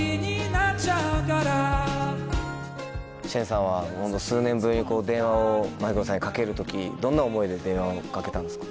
Ｓｈｅｎさんは数年ぶりに電話をＭｉｃｒｏさんへかける時どんな思いで電話をかけたんですか？